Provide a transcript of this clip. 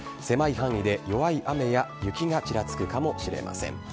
狭い範囲で弱い雨や雪がちらつくかもしれません。